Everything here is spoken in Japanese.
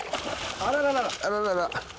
あらららら。